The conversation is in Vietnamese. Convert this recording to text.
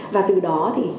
và từ đó thì